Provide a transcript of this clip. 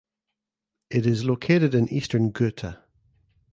It is located in Eastern Ghouta.